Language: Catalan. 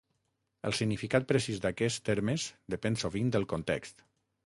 El significat precís d'aquests termes depèn sovint del context.